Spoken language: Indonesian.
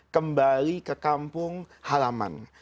kembali ke kampung halaman